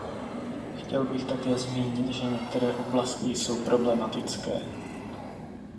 Chtěl bych také zmínit, že některé oblasti jsou problematické.